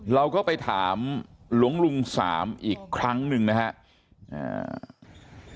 เราก็ไปถามหลวงลุงสามอีกครั้งหนึ่งนะครับ